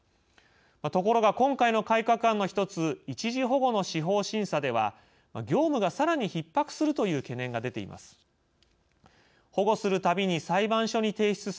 ところが、今回の改革案の１つ一時保護の司法審査では業務がさらにひっ迫するという懸念が出ています。